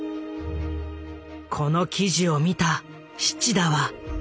この記事を見た七田は。